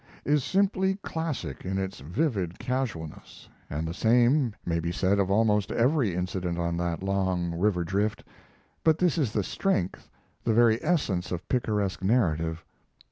] is simply classic in its vivid casualness, and the same may be said of almost every incident on that long river drift; but this is the strength, the very essence of picaresque narrative.